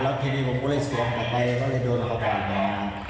แล้วทีนี้ผมก็เลยสวมออกไปเขาเลยโดนขอบความแล้ว